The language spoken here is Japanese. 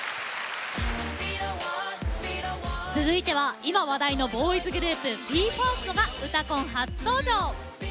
続いては今、話題のボーイズグループＢＥ：ＦＩＲＳＴが「うたコン」初登場。